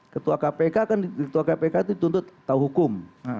ketua kpk kan dituntut tahu hukum